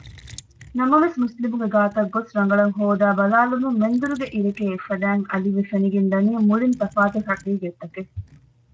ނަމަވެސް މުސްލިމުންގެ ގާތަށްގޮސް ރަނގަޅަށް ހޯދައި ބަލައިލުމުން މެންދުރުގެ އިރެކޭ އެއްފަދައިން އަލިވެ ފެނިގެންދަނީ މުޅީން ތަފާތު ޙަޤީޤަތްތަކެއް